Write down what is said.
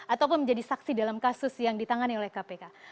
ataupun menjadi saksi dalam kasus yang ditangani oleh kpk